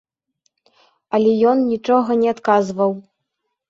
Але ён нічога не адказваў.